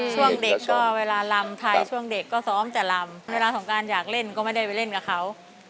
ช่วงเด็กก็เวลาลำไทยช่วงเด็กก็ซ้อมแต่ลำเวลาสงการอยากเล่นก็ไม่ได้ไปเล่นกับเขา